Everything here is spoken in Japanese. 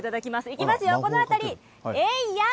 いきますよ、この辺り。